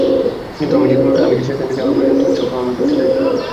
কিন্তু আমি জানি যে যখন আমার প্রয়োজন, তুই সবসময়ই আমাকে বাচাতে আসবি।